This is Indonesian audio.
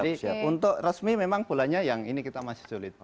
jadi untuk resmi memang bolanya yang ini kita masih sulit